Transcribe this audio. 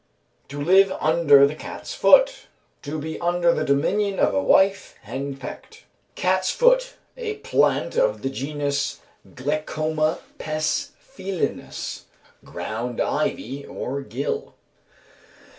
_ To live under the cat's foot, to be under the dominion of a wife, hen pecked. Cat's foot. A plant of the genus Glechoma pes felinus, ground ivy or gill.